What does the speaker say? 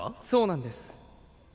そうなんです